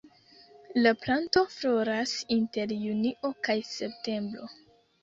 La planto floras inter junio kaj septembro.